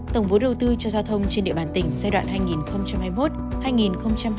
tổng vốn đầu tư cho giao thông trên địa bàn tỉnh giai đoạn hai nghìn hai mươi một hai nghìn hai mươi năm